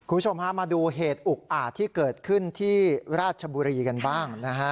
คุณผู้ชมฮะมาดูเหตุอุกอาจที่เกิดขึ้นที่ราชบุรีกันบ้างนะฮะ